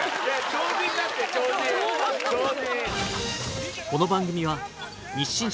超人だって超人超人。